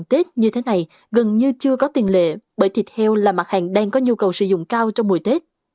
tết như thế này gần như chưa có tiền lệ bởi thịt heo là mặt hàng đang có nhu cầu sử dụng cao trong mùa tết